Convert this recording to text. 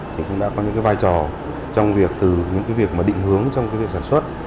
thì cũng đã có những cái vai trò trong việc từ những cái việc mà định hướng trong cái việc sản xuất